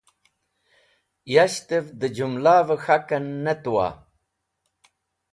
Yashtẽv dẽ jumlvẽ k̃hakẽn ne tuwa?